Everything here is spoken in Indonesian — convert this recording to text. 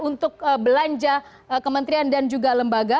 untuk belanja kementerian dan juga lembaga